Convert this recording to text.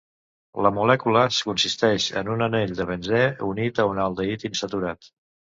La molècula consisteix en un anell de benzè unit a un aldehid insaturat.